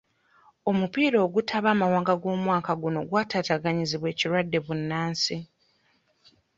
Omupiira ogutaba amawanga ogw'omwaka guno gwataataaganyizibwa ekirwadde bbunansi.